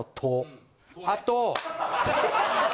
あと。